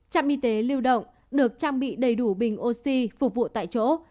trạm y tế lưu động được trang bị đầy đủ bình oxy phục vụ tại chỗ